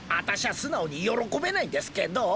素直に喜べないんですけどぉ？